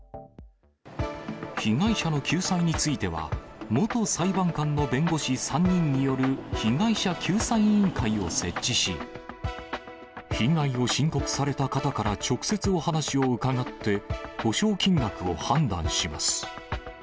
被害者の救済については、元裁判官の弁護士３人による被害者救済委員会を設置し、被害を申告された方から直接お話を伺って、補償金額を判断します。